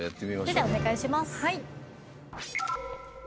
それではお願いします。